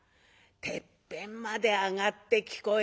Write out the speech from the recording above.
「てっぺんまで上がって聞こえるかいや」。